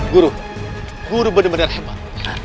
guru guru benar benar hebat